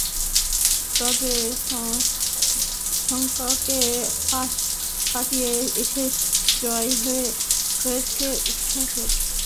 তবে শঙ্কাকে পাশ কাটিয়ে শেষে জয় হয়েছে উচ্ছ্বাসের।